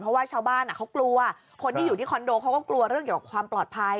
เพราะว่าชาวบ้านเขากลัวคนที่อยู่ที่คอนโดเขาก็กลัวเรื่องเกี่ยวกับความปลอดภัย